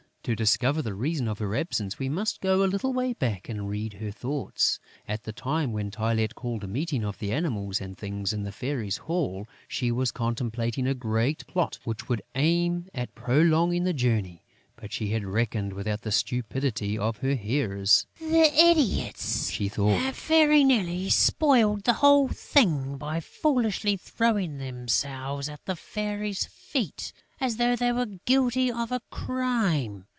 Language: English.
To discover the reason of her absence, we must go a little way back and read her thoughts. At the time when Tylette called a meeting of the Animals and Things in the Fairy's hall, she was contemplating a great plot which would aim at prolonging the journey; but she had reckoned without the stupidity of her hearers: "The idiots," she thought, "have very nearly spoiled the whole thing by foolishly throwing themselves at the Fairy's feet, as though they were guilty of a crime.